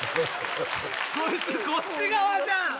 こいつこっち側じゃん！